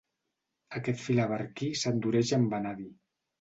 Aquest filaberquí s'endureix amb vanadi.